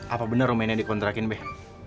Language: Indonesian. apa bener rumah ini dikontrakin beh